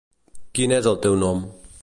Quin és el teu nom?